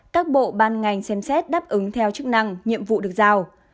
các bộ ban ngành xem xét đáp ứng theo chức năng nhiệm vụ được giao